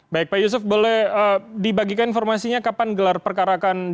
baik pak yusuf boleh dibagikan informasinya kapan gelar perkara akan dilakukan